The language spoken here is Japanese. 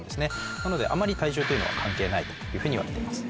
なのであまり体重というのは関係ないというふうにいわれています。